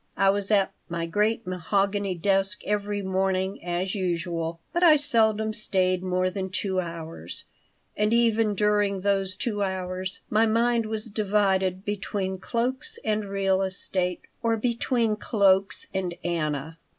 I was at my great mahogany desk every morning, as usual, but I seldom stayed more than two hours, and even during those two hours my mind was divided between cloaks and real estate or between cloaks and Anna.